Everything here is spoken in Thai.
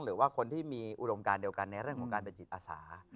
หรือว่าคนที่มีอุดมการเดียวกันในเรื่องของการเป็นจิตอาสา